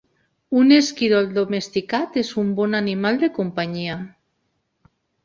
Un esquirol domesticat és un bon animal de companyia.